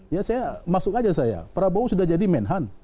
ya saya masuk aja saya prabowo sudah jadi menhan